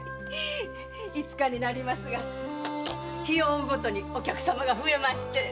五日になりますが日を追うごとにお客さまが増えまして。